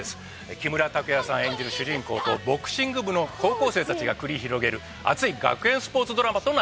木村拓哉さん演じる主人公とボクシング部の高校生たちが繰り広げる熱い学園スポーツドラマとなってます。